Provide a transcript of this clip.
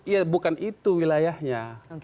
ya bukan itu wilayahnya